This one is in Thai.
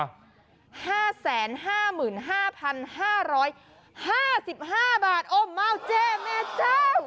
ห้าแสนห้ามื่นห้าพันห้าร้อยห้าสิบห้าบาทโอ้เม่าเจ่แม่เจ้า